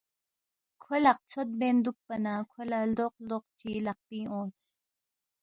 کھو لقژھوت بین دُوکپا نہ کھو لہ لدوق لدوق چی لقپِنگ اونگس